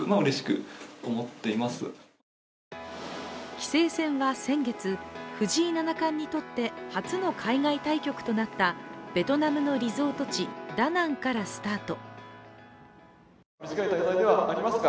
棋聖戦は先月、藤井七冠にとって初の海外対局となったベトナムのリゾート地、ダナンからスタート。